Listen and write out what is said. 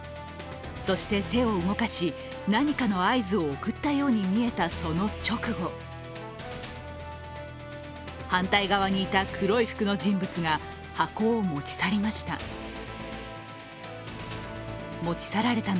そして手を動かし、何かの合図を送ったように見えたその直後反対側にいた黒い服の人物が箱を持ち去りました。